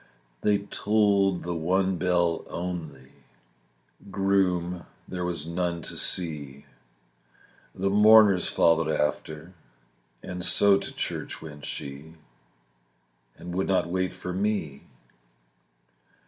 They tolled the one bell only, Groom there was none to see, The mourners followed after, And so to church went she, And would not wait for me.